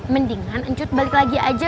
mendingan encut balik lagi aja